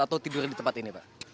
atau tidur di tempat ini pak